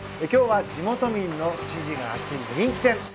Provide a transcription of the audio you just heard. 今日は地元民の支持が厚い人気店